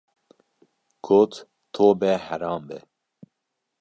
Got, Tobe heram be!